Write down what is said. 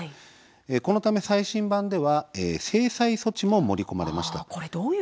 そのため最新版では制裁措置も盛り込まれました。